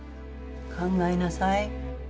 考えなさい。